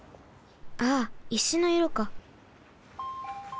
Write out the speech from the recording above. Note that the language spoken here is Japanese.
ああ石のいろか。